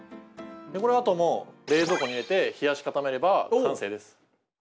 このあともう冷蔵庫に入れて冷やしかためれば完成です。